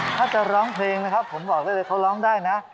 ถ้าจะร้องเพลงนะครับผมบอกได้เลยเขาร้องได้นะ